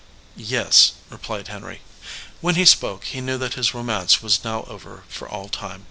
"Yes," replied Henry. When he spoke he knew that his romance was now over for all time.